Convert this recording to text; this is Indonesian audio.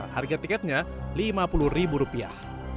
harga tiketnya lima puluh ribu rupiah